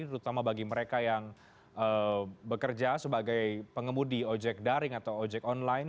terutama bagi mereka yang bekerja sebagai pengemudi ojek daring atau ojek online